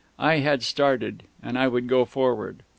I had started, and I would go forward.